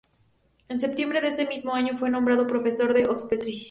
En septiembre de ese mismo año fue nombrado profesor de obstetricia.